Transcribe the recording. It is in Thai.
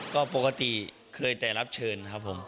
ก็ปกติเคยแต่รับเชิญครับผม